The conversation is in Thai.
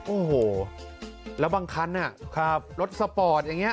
โอ้โหแล้วบางคันรถสปอร์ตอย่างนี้